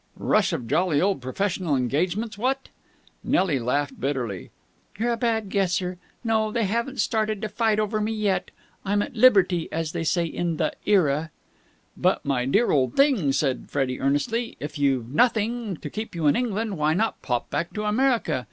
"Rush of jolly old professional engagements, what?" Nelly laughed bitterly. "You're a bad guesser. No, they haven't started to fight over me yet. I'm at liberty, as they say in the Era." "But, my dear old thing," said Freddie earnestly, "if you've nothing to keep you in England, why not pop back to America?